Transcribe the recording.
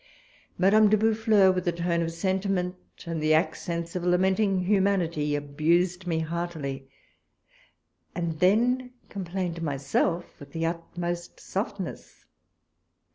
Madame de Boufflers, with a tone of sentiment, and the accents of lamenting humanity, abused me heartily, and then complained to myself witli the utmost softness.